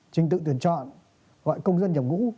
trình tự tuyển chọn gọi công dân nhập ngũ